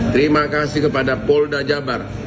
terima kasih kepada polda jabar